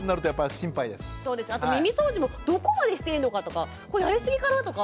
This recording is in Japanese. あと耳そうじもどこまでしていいのかとかこれやりすぎかなとか。